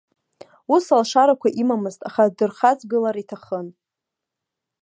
Ус алшарақәа имамызт, аха дырхаҵгылар иҭахын.